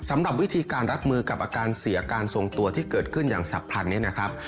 สำหรับวิธีการรับมือกับอาการเสียการทรงตัวที่เกิดขึ้นอย่างฉับพลันเนี่ยนะครับ